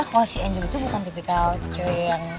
lo belum makan kan